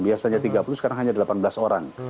biasanya tiga puluh sekarang hanya delapan belas orang